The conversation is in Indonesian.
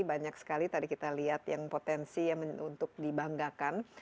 banyak sekali tadi kita lihat yang potensi yang untuk dibanggakan